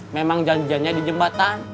memang janjiannya di jembatan